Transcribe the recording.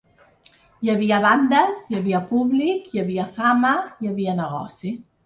Hi havia bandes, hi havia públic, hi havia fama, hi havia negoci.